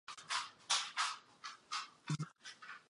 Ve středu obrazu je skupina tří mužů a dvou žen sedících u stolu.